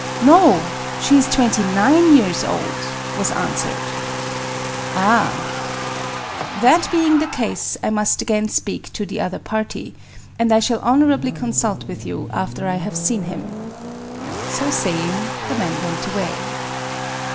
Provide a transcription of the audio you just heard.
..."" No, — she is twenty nine years old," was answered. ^ Ah !... That being the case, I must again speak to the other party ; and I shall honourably consult with you after I have seen him." So saying, the man went away.